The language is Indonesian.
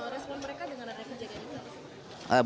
respon mereka dengan ada kebijakan